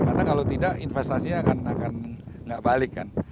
karena kalau tidak investasinya akan tidak balik kan